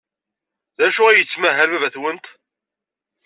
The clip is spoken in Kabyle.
D acu ay yettmahal baba-twent?